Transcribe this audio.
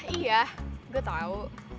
iya gue tau